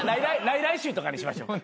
来々週とかにしましょう。